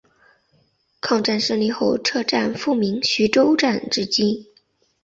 抗战胜利后车站复名徐州站至今。